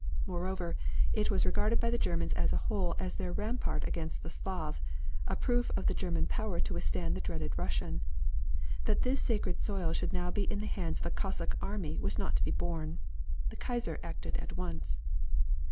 Moreover, it was regarded by the Germans as a whole as their rampart against the Slav, a proof of the German power to withstand the dreaded Russian. That this sacred soil should now be in the hands of a Cossack army was not to be borne. The Kaiser acted at once.